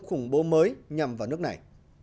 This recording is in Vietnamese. khủng bố mới nhằm vào nước này